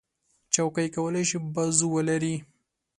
چوکۍ کولی شي بازو ولري.